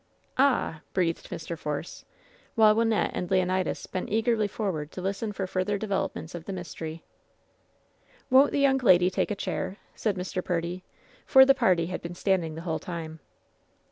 '' "Ah!" breathed Mr. Force, while Wynnette and Leonidas bent eagerly forward to listen for further de velopments of the mystery. "Won't the young lady take a chair?" said Mr. Purdy ; for the party had been standing the whole time.